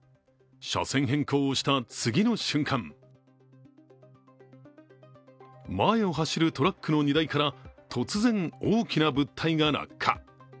車線変更をした次の瞬間前を走るトラックの荷台から突然、大きな物体が落下。